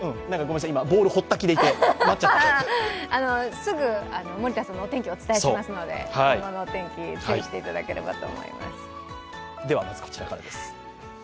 すぐ森田さんのお天気をお伝えしますので、今後のお天気、注意していただければと思います。